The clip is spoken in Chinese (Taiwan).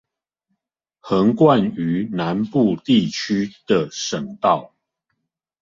橫貫於南部地區的省道